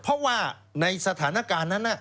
เพราะว่าในสถานการณ์นั้น